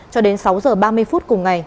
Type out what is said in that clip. cho đến sáu giờ ba mươi phút cùng ngày